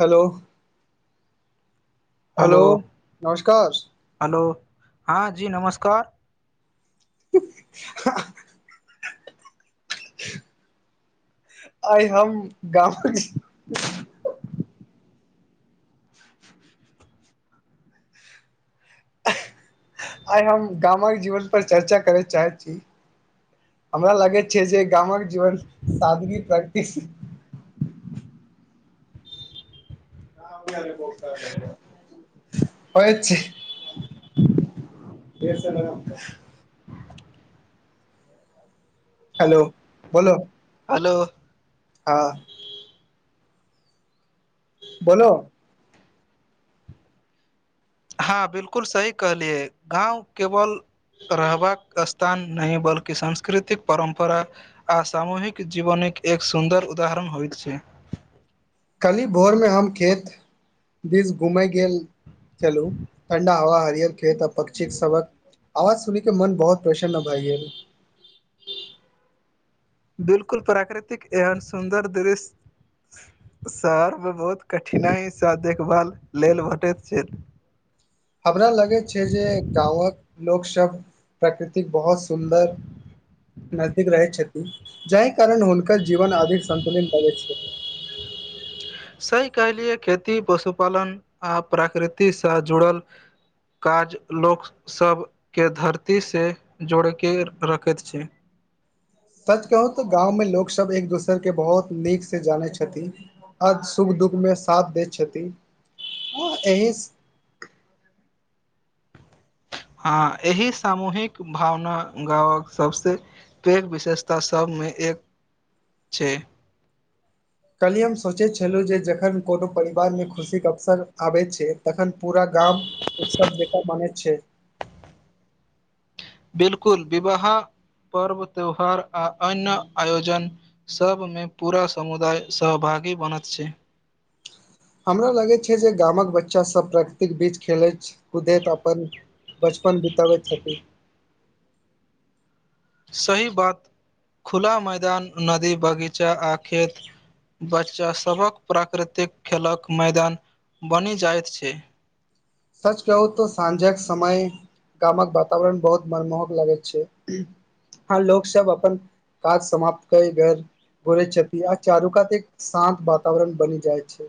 hello hello hello नमस्कार hello हाँ जी नमस्कार आहाँ आइ हम गाम गेलियै [inaudible] आइ हम गाम कऽ जीवन पर चर्चा करय चाहैत छी हमरा लागे छै जे गामक जीवन सादगी प्रैक्टिस [inaudible] न हो छै हेलो बोलो हलो हाँ बोलो हाँ बिलकुल सही कहलियै गाँव केवल रहबाक स्थान नहि बल्कि सांस्कृतिक परम्परा आ सामूहिक जीवन एक सुन्दर उदाहरण होइतइत छै कली भोर में हम खेत दिस घूमय गेल चलू ठंडा हवा हरियर खेत पक्षी सबक आवाज सुनी के मन बहुत प्रसन्न भइ गेल बिलकुल प्राकृतिक एहन सुन्दर दृश्य [inaudible] शहर में बहुत कठिनाइ सँ देखभाल लेल भेटैत छैथ हमरा लगे छै जे गाँवक लोक सब प्रकृतिक बहुत सुन्दर नजदीक रहै छथि जाहि कारण हुनकर जीवन अधिक सतुलित लगे छै [inaudible] सही कहलिए खेती पशुपालन आ प्रकृतिक सँ जुड़ल काज लोकसब के धरती सँ जोड़ि कऽ रखैत छै ह सच कहू तऽ गाँव में लोक सब एक दोसर के बहुत नीक से जानै छथिन आ शु दुख मे साथ दै छथि आ एहिस हँ एहि सामूहिक भावना गाँवक सबसे पैघ विशेषता सब मे एक छै कल्हि हम सोचैत छलहुँ जे जखन कोनो परिवारमे खुशीक अवसर आबैत छै तखन पूरा गाम उत्सव जेका मानैत छै बिलकुल विवाह पर्व त्यौहार आ अन्य आयोजन सभमे पूरा समुदाय सह भागी बनत छै हमरा लागैत छै जे गामक बच्चा सब प्राकृतिक बीच खेलैत कुदैत अपन बचपन बिताबैत छथि सही बात खुला मैदान नदी बगीचा आ खेत बच्चासभक प्राकृतिक खेलक मैदान बनि जाइत छै सच कहूं त साँझक समय गामक वातावरण बहुत मनमोहक लागैत छै हँ लोक सब अपन काज समाप्त कै के घुरैत छथि आ चारुकात एक शांत वातावरण बनि जाएत छै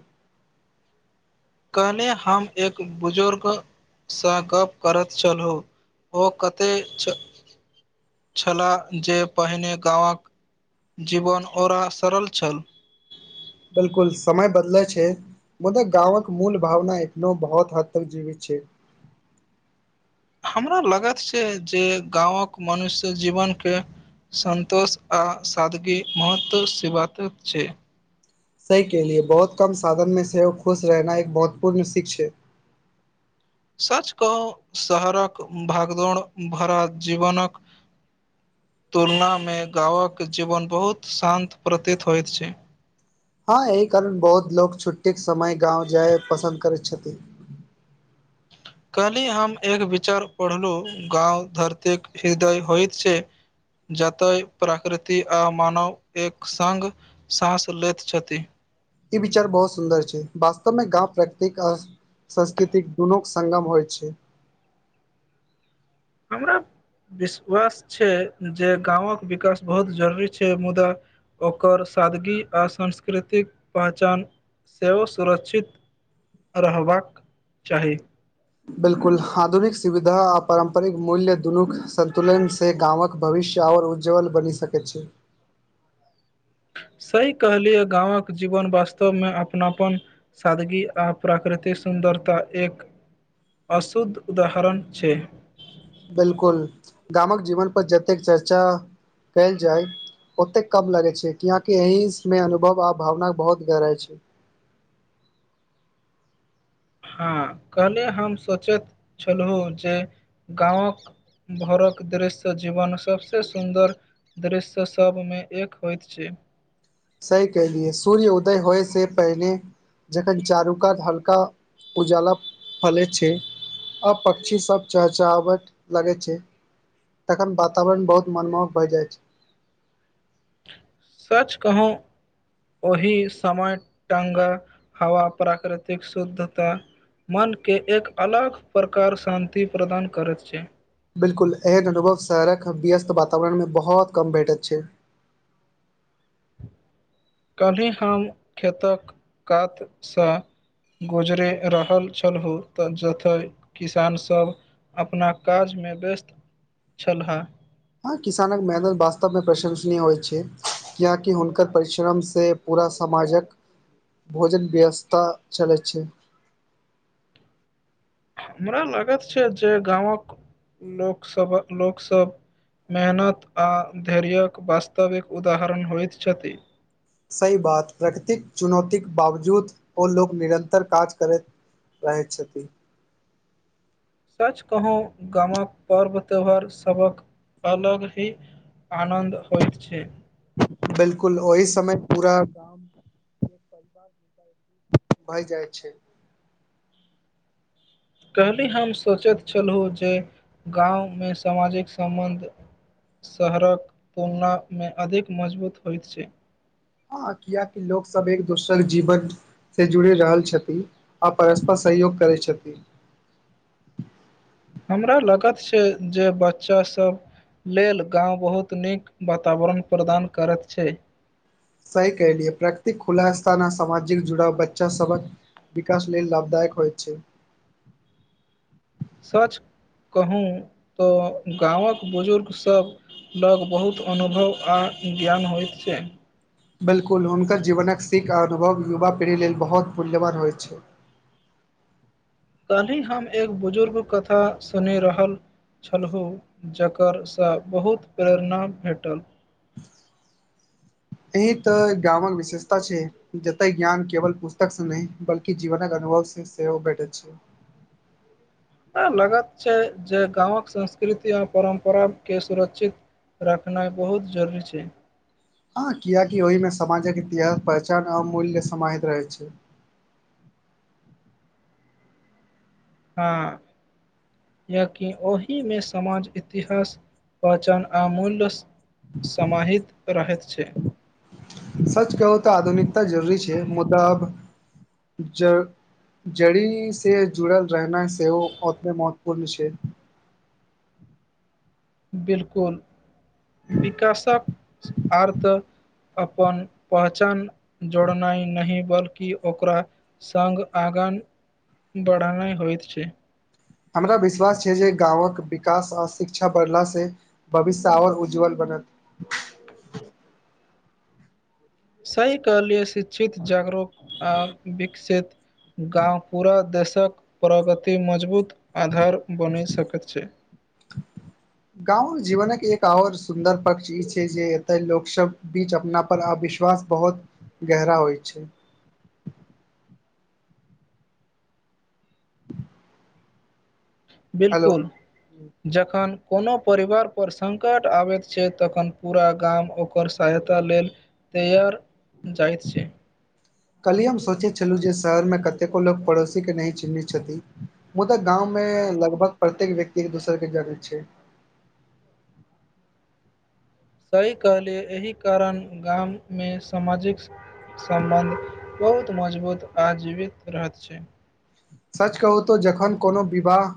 कल्हे हम एक बुजुर्गसँ गप करैत छलहु ओ कतेक छ छलाह जे पहिने गामक जीवन औरा सरल छल बिलकुल समय बदलै छै मुदाक गावक मूल भावना एकनो बहुत हद तक जीवित छै हमरा लागत छै जे गाँवक मनुष्य जीवनके संतोष आ सादगी महत्व सी बात छै सही कहलियै बहुत कम साधन मे सेहो खुश रहनाइ एक महत्वपूर्ण सीख छै [inaudible] सच कहूं शहरक भागदौड़ भरा जीवनक तुलनामे गांवक जीवन बहुत शान्त प्रतीत होइत छै हँ एहि कारण बहुत लोक छुट्टीके समय गाँव जाय पसन्द करैत छथि [inaudible] कल्हि हम एक विचार पढ़लू गाँंव धरतीक हृदय होयइत छै जतय प्राकृति आ मानव एक संग साँस लैत छथि ई विचार बहुत सुन्दर छै वास्तवमे गाँव प्राकृतिक अ सांस्कृतिक दुनूक संगम होइत छै हमरा विश्वास छै जे गामक विकास बहुत जरूरी छै मुदा ओकर सादगी आ सांस्कृतिक पहचान सेहो सुरक्षित रहबाक चाही बिल्कुल आधुनिक सुविधा आ पारम्परिक मूल्य दुनूक सन्तुलन से गामक भविष्य और उज्ज्वल बनि सकैत छै [inaudible] सही कहलियै गाँंवक जीवन वास्तव में अपनापन सादगी आ प्राकृतिक सुं सुन्दरता एक अशुद्ध उदाहरण छै बिलकुल गामक जीवन पर जतेक चर्चा कयल जायत ओते कम लगै छै कियाकि एहि मे अनुभव आ भावना क बहुत गहराई छै [inaudible] हँ कल्हि हम सोचैत छलहुँ जे गाँवक भोरक दृश्य जीवन सबसे सुन्दर दृश्य सब मे एक होइत छै सही कलियए सूर्य उदय होय से पहिनेे जखन चारु कात हल्का उजाला फलैत छै आ पक्षी सब चहचहावट लागै छै तखन वातावरण बहुत मनमोहक भए जाइत छै सच कहूँ ओहि समय टााँंगा हवा प्राकृतिक शुद्धता मनके एक अलग प्रकार शान्ति प्रदान करैत छै बिल्कुल एहन अनुभव शहरक व्यस्त वातावरणमे बहुत कम भेटैत छै [inaudible] कनि हम खेतक कातसँ गुजरे रहल छलहु तऽ जतय किसानसभ अपना काजमे व्यस्त छलए हा हँ किसानक मेहनत वास्तवमे प्रशंसनीय होइ छै किआाकि हुनकर परिश्रम से पूरा समाजक भोजन व्यवस्थता चलै छै हमरा लागत छै जे गाँवक लोकसभ लोकसभ मेहनत आ धैर्य्यक वास्तविक उदाहरण होइत छथि सही बात प्रकृतिक चुनौते बावजूद ओ लोग निरन्तर काज करैत रहैत छथि सच कहू गामक पर्व त्योहार सबक अलग ही आनन्द होइ छै बिलकुल ओहि समय पूरा भए जाइ छै कहल्लहि हम सोचैत छलहु जे गाँवमे सामाजिक सम्बन्ध शहरक तुलनामे अधिक मजबूत होइत छै हँ किया की लोक सब एक दोसर जीवक से जुड़ि रहल छथि आ परस्पर सहयोग करैत छथिन हमरा लागत छै जे बच्चासभ लेल गाम बहुत नीक वातावरण प्रदान करैत छै सही कलिहयै प्राकृतिक खुलासा न सामाजिक जुड़ाव बच्चा सबक विकाश लेलील लाभदायक हो छै सच कहू तऽ गामक बुजुर्गसभ लोक बहुत अनुभव आ ज्ञान हो छै बिल्कुल हुनकर जीवनक सीख आ अनुभव युवा पीढ़ी लेल बहुत मूल्यवान होइत छै [inaudible] काल्हि हम एक बुजुर्ग कथा सुनि रहल छलहु जकरसँ बहुत प्रेरणा भेटल [inaudible] एहि तऽ गामक विशेषता छै जतय ज्ञान केवल पुस्तकसँ नहि बल्कि जीवनक अ अनुभव सि सेहो भैटैत छै हमरा लागत छै जे गामक संस्कृति आओर परम्पराके सुरक्षित रखनाइ बहुत जरूरी छै हँ किआकि ओहिमे समाजक इतिहास पहचान आ मूल्य समाहित रहैत छै [inaudible] हँ यकि ओहिमे समाज इतिहास पहचान आमूल्य समाहित रहैत छै सच कहू तऽ आधुनिकता जरूरी छै मुदाब ज जड़ी से जुड़ल रहना सेव ओतने महत्वपूर्ण छै [inaudible] बिलकुल विकासक आर्थ अपन पहचान जोड़नाइ नहि बल्कि ओकरा सङ्ग आग गाँ बढ़ेनाइ होइत छै हमरा विश्वास छै जे गाँंवक विकास आ शिक्षा बढ़ला से भविष्य आओर उज्जवल बढ़ [inaudible] सही कहलीअई शिक्षित जागरूक आ विकसित गांव पूरा देशक प्रगति मजबूत आधार बनि सकैत छैइ [inaudible] गाँंव जीवनक एक आओर सुन्दर पक्ष ई छैइ जे एतय लोक सब बीच अपना पर आविष् विश्वास बहुत गहरा होइ छैइ हेलो बिलकुल जखन कोनो परिवारपर संकट आबैत छैइ तखन पूरा गाम ओकर सहायता लेल तैआर जाइत छैइ कल्हि हम सोचैत छलहुँ जे शहरमे कतेको लोक पड़ोसी के नहि चिन्हैत छथिन मुदा गाम ग में लगभग प्रत्येक व्यक्ति एक दोसर के जनैत छैइ सही कहलियै एहि कारण गाम में सामाजिक सम्बन्ध बहुत मजबूत आ जीवित रहत छैइ सच कहू त जखन कोनो विवाह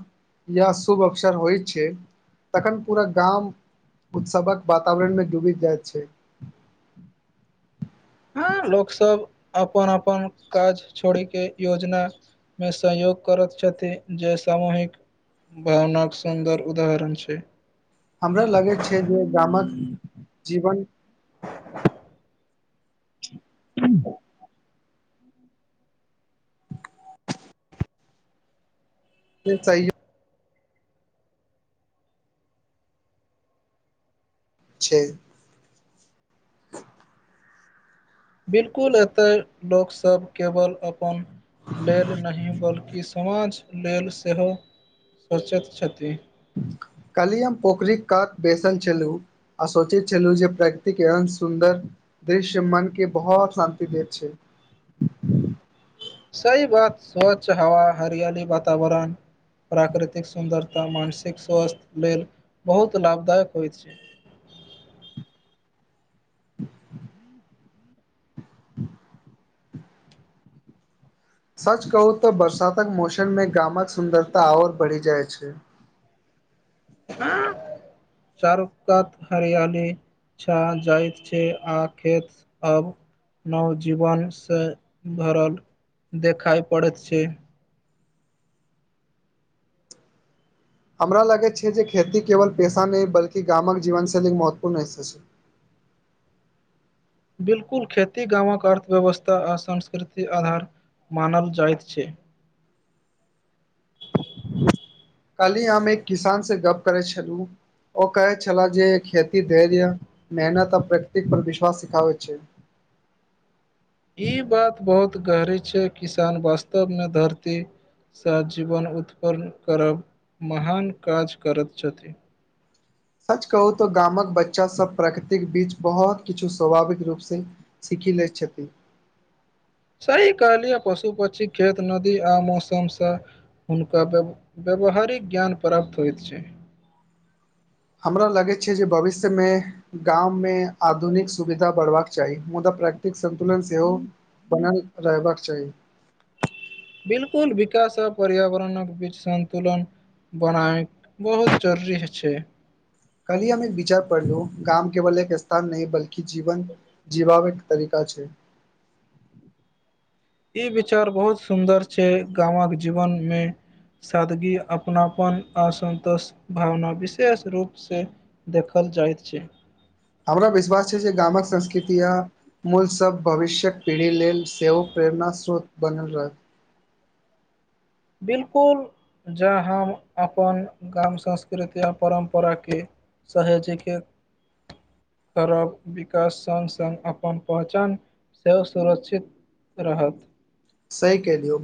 या शुभ अवसर होइत छैइ तखन पूरा गाम उत्सवक वातावरण में डूबि जाइत छैइ [inaudible] ह लोक सब अपन अपन काज छोड़ि के योजना में सहयोग कर छथि जे सामूहिक भावना के सुन्दर उदाहरण छैइ हमरा लगैत छैइ जे गामक जीवन [inaudible] से सही छैइ बिलकुल एतय लोकसब केवल अपन लेल नहि बल्कि समाज लेल सेहो सोचैत छथिन काल्हि हम पोखरिक कात बैसल छलौं आ सोचैत छलुं जे प्रकृतिक एहन सुन्दर दृश्य मन के बहुत शान्ति देैत छैइ ह [inaudible] सही बात स्वच्छ हवा हरियाली वातावरण प्राकृतिक सुन्दरता मानसिक स्वास्थ्य लेल बहुत लाभदायक होइ छैइ [inaudible] सच कहू तऽ बरसातक मौसम में गामक सुन्दरता और बढ़ि जाइ छैइ चारु कात हरियाली छा जाइत छैइ आ खेत अब नवजीवन से भरल देखाइ पड़ैत छैइ हमरा लगैत छैइ जे खेती केवल पेशा नई बल्कि गामक जीवन शैलीक महत्वपूर्ण हिस्सा छैइ [inaudible] बिलकुल खेती गाँवक अर्थव्यवस्था आ संस्कृतिक आधार मानल जाइत छैइ कल्हि हम एक किसान से गप्प करैत छलूं ओ के छला जे खेती धैर्य मेहनत आ प्रकर्तिक पर विश्वास सिखाबत छैइ [inaudible] कहबी छैइ किसान वास्तव में धरती सँ जीवन उत्पन्न करब महान काज करैत छथिन सच कहू तऽ गामक बच्चा सब प्रकृतिक बीच बहुत किछु स्वाभाविक रूप से सिख खि लैइतछति सही कहलिअइ पशु पक्षी खेत नदी आ मौसमसँ हुनका व्य व्यावहारिक ज्ञान प्राप्त होइत छैइ हमरा लगैइ छैइ जे भविष्य में गाममे आधुनिक सुविधा बढ़बाके चाही मुदा प्राकृतिक संन्तुलन सेहो बनल रहबाक चाही बिलकुल विकास आ पर्यावरणक बीच संन्तुलन बनाय बहुत जरूरीइ छै कली हममे एक विचार पढ़ लू गाम केवल एक स्थान नहि बल्कि जीवन जीवावेक तरीका छै ई विचार बहुत सुन्दर छै गामक जीवनमे सादगी अपनापन असन्तोष भावना विशेष रूपसँ देखल जाइत छै हमरा विश्वास छै जे गामक संस्कृति आ मूल सब भविष्यक पीढ़ी लेल सेहो प्रेम अपना स्रोत बनल रहत बिलकुल जँ हम अपन गाम संस्कृति आ परम्पराके सहेजके करब विकास सङ्ग सङ्ग अपन पहचान सँ सुरक्षित रहत सही क दियौ